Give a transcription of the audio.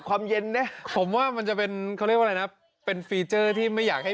โดมิเอรูตรัมมาเผื่อมา